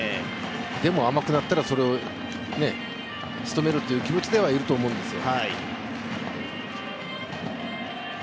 でも、あんまり食らったらそれを仕留めるという気持ちではいると思うんですよ。